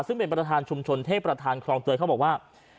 ซึ่งเป็นประธานชุมชนเทพประธานคลองเตยเขาบอกว่า